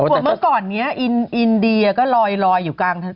เมื่อก่อนนี้อินเดียก็ลอยอยู่กลางถนน